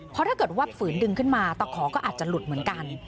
เพราะถ้าเกิดว่าฝืนดึงขึ้นมาตะขอก็อาจจะหลุดเหมือนกัน